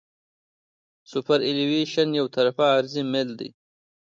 سوپرایلیویشن یو طرفه عرضي میل دی